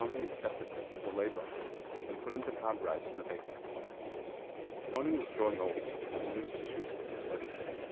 Kōnin accepted him as a lay brother and put him to pound rice in the bakery. Kōnin was growing old and wished to choose his successor.